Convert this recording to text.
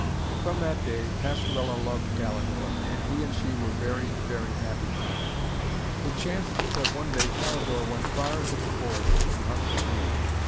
From that day Pastorella loved Calidore, and he and she were very, very happy together. It chanced that one day Calidore went far into the forest to hunt the deer.